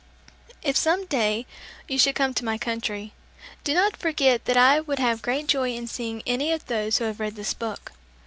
If some day you should come to my country, do not forget that I would have great joy in seeing any of those who have read this book.